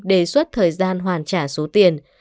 đề xuất thời gian hoàn trả số tiền